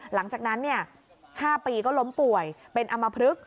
หลังจากนั้น๕ปีก็ล้มป่วยเป็นอำมพลึก